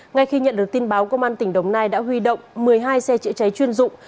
ngay khi nhận được tin báo công an tỉnh đồng nai đã huy động một mươi hai xe chữa cháy chuyên dụng